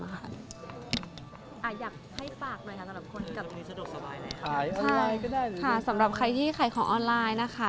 อยากให้ฝากหน่อยค่ะสำหรับคนที่ขายของออนไลน์นะคะ